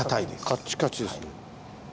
カッチカチですね。